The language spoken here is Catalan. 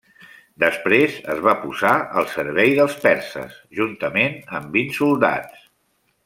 Després es va posar al servei dels perses juntament amb vint soldats.